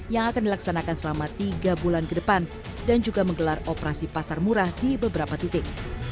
yang akan dilaksanakan selama tiga bulan ke depan dan juga menggelar operasi pasar murah di beberapa titik